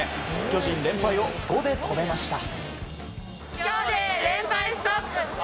巨人、連敗を５で止めました。